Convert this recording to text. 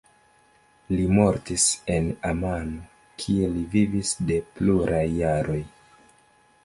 Li mortis en Amano kie li vivis de pluraj jaroj.